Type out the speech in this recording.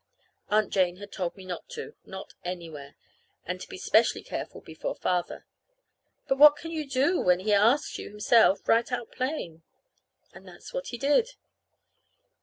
Aunt Jane had told me not to not anywhere; and to be specially careful before Father. But what can you do when he asks you himself, right out plain? And that's what he did.